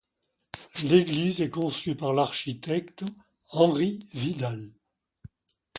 L'église est conçue par l'architecte Henri Vidal.